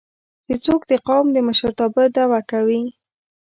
چې څوک د قام د مشرتابه دعوه کوي